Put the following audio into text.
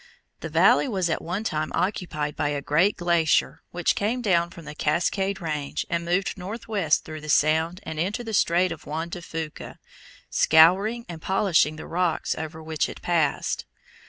The valley was at one time occupied by a great glacier which came down from the Cascade Range and moved northwest through the sound and into the Strait of Juan de Fuca, scouring and polishing the rocks over which it passed.